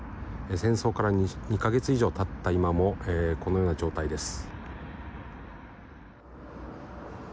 戦争から２か月以上経った今もこのような状態です。